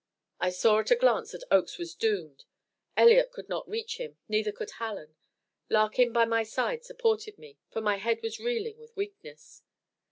I saw at a glance that Oakes was doomed Elliott could not reach him, neither could Hallen. Larkin by my side supported me, for my head was reeling with weakness.